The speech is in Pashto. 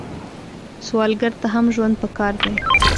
سوالګر ته هم ژوند پکار دی